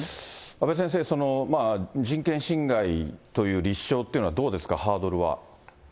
阿部先生、人権侵害という立証というのはどうですか、ハードルは。